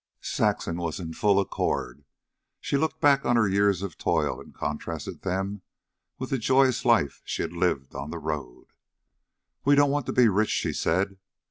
Saxon was in full accord. She looked back on her years of toil and contrasted them with the joyous life she had lived on the road. "We don't want to be rich," she said.